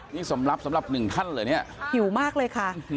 นี่สำหรับ๑ขั้นเลยเนี่ยหิวมากเลยค่ะ